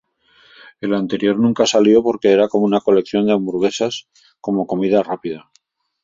El anterior nunca salió porque era como una colección de hamburguesas, como comida rápida.